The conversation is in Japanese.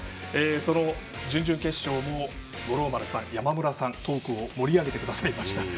その準々決勝も五郎丸さん、山村さんがトークを盛り上げてくださいました。